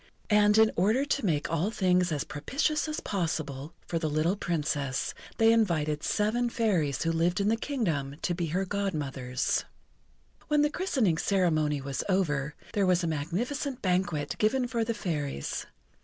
And in order to make all things as propitious as possible for the little Princess, they invited seven Fairies who lived in the Kingdom, to be her Godmothers. When the christening ceremony was over, there was a magnificent banquet given for the Fairies.